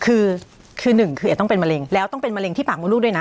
คือคือหนึ่งคืออาจจะต้องเป็นมะเร็งแล้วต้องเป็นมะเร็งที่ปากมดลูกด้วยนะ